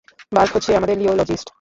বার্গ হচ্ছে আমাদের নিও-লজিস্ট।